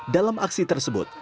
dalam aksi tersebut